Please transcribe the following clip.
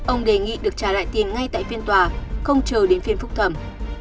ông đề nghị được trả lại tiền ngay tại phiên tòa không chờ đến phiên phúc thẩm